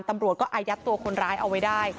ตำรวจก็อายัดตัวคนร้ายเอาไว้ได้